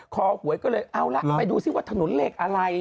หวยก็เลยเอาละไปดูซิว่าถนนเลขอะไร